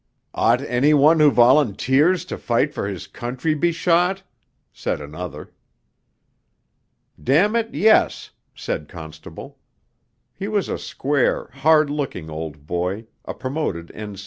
'Ought any one who volunteers to fight for his country be shot?' said another. 'Damn it, yes,' said Constable; he was a square, hard looking old boy, a promoted N.